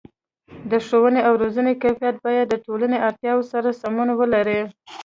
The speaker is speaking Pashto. د ښوونې او روزنې کیفیت باید د ټولنې اړتیاو سره سمون ولري.